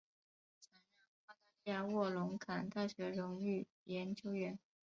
曾任澳大利亚卧龙岗大学荣誉研究员。